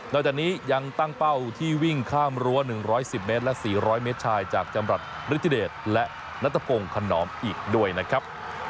จากนี้ยังตั้งเป้าที่วิ่งข้ามรั้ว๑๑๐เมตรและ๔๐๐เมตรชายจากจำรัฐฤทธิเดชและนัทพงศ์ขนอมอีกด้วยนะครับ